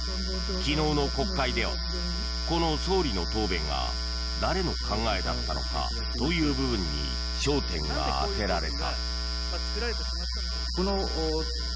昨日の国会ではこの総理の答弁が誰の考えだったのかという部分に焦点が当てられた。